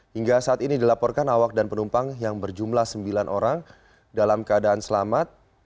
hingga saat ini dilaporkan awak dan penumpang yang berjumlah sembilan orang dalam keadaan selamat